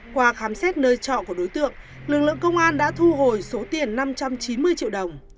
qua khám xét nơi trọ của đối tượng lực lượng công an đã thu hồi số tiền năm trăm chín mươi triệu đồng